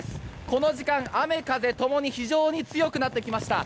この時間、雨、風ともに非常に強くなってきました。